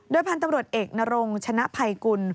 พันธุ์ตำรวจเอกนรงชนะภัยกุล